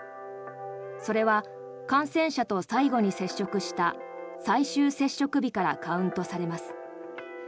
それは感染者と最後に接触した最終接触日からカウントされます。